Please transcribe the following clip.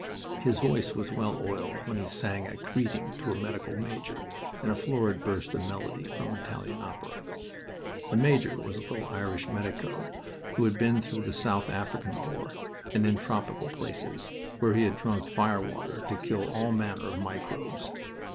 His voice was well oiled when he sang a greeting to a medical major in a florid burst of melody from Italian opera. The major was a little Irish medico who had been through the South African War and in tropical places, where he had drunk fire water to kill all manner of microbes.